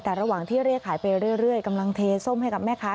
แต่ระหว่างที่เรียกขายไปเรื่อยกำลังเทส้มให้กับแม่ค้า